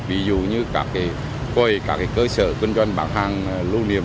ví dụ như các cơ sở kinh doanh bán hàng lưu niệm